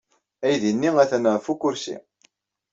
Aydi-nni atan ɣef ukersi.